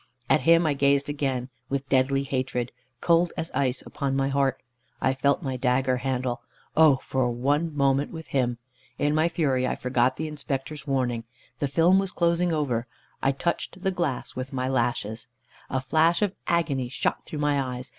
At him I gazed again, with deadly hatred, cold as ice, upon my heart. I felt my dagger handle. Oh for one moment with him! In my fury I forgot the Inspector's warning. The film was closing over. I touched the glass with my lashes. A flash of agony shot through my eyes.